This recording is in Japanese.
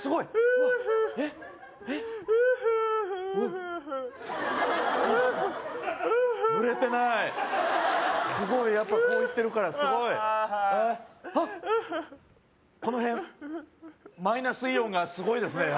おっおっ濡れてないすごいやっぱこういってるからすごいうわあっこの辺マイナスイオンがすごいですね